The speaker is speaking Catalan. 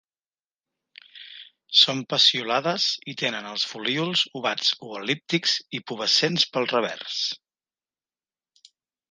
Són peciolades i tenen els folíols ovats o el·líptics i pubescents pel revers.